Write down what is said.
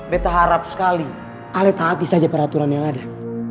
betaharap sekali ale taati saja peraturan yang ada